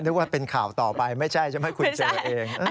นึกว่าเป็นข่าวต่อไปไม่ใช่ใช่ไหมคุณเจอเอง